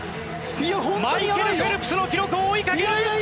マイケル・フェルプスの記録を追いかける！